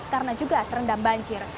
karena juga terendam banjir